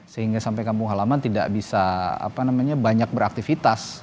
sehingga sampai kampung halaman tidak bisa banyak beraktivitas